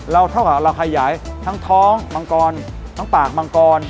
เท่ากับเราขยายทั้งท้องมังกรทั้งปากมังกร